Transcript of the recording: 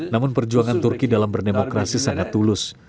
namun perjuangan turki dalam berdemokrasi sangat tulus